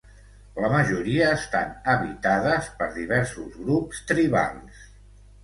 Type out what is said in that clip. La majoria estan habitades per diversos grups tribals.